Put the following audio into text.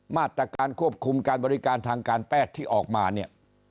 มาตรการควบคุมการบริการทางการแพทย์ที่ออกมาเนี่ย